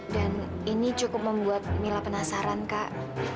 dan ini cukup membuat mila penasaran kak